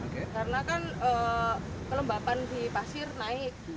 karena kan kelembapan di pasir naik